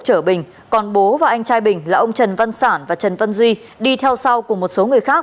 chở bình còn bố và anh trai bình là ông trần văn sản và trần văn duy đi theo sau cùng một số người khác